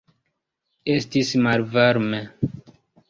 Estis malvarme.